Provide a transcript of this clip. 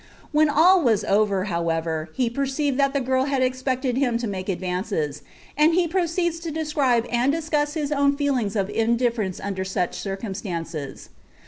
When all was over, however, he perceived that the girl had expected him to make advances, and he proceeds to describe and discuss his own feelings of indifference under such circumstances.